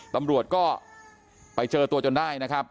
ตำรวจก็ไปเจอตัวจนได้นะครับ